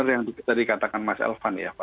yang tadi katakan mas elvan ya